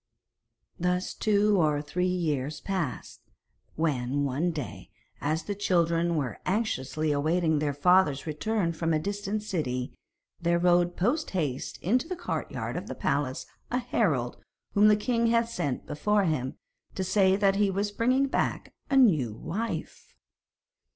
Thus two or three years passed, when, one day, as the children were anxiously awaiting their father's return from a distant city, there rode post haste into the courtyard of the palace a herald whom the king had sent before him, to say that he was bringing back a new wife.